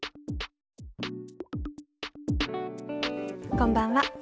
こんばんは。